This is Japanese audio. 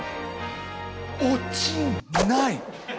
落ちない！